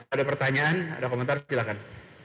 ada pertanyaan ada komentar silakan